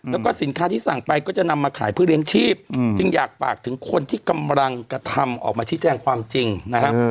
แล้วก็สินค้าที่สั่งไปก็จะนำมาขายเพื่อเลี้ยงชีพจึงอยากฝากถึงคนที่กำลังกระทำออกมาชี้แจงความจริงนะครับ